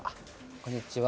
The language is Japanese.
こんにちは